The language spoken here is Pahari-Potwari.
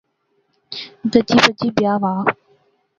گجی بجی بیاہ وہا